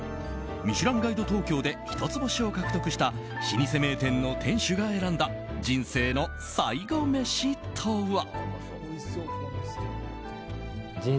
「ミシュランガイド東京」で一つ星を獲得した老舗名店の店主が選んだ人生の最後メシとは？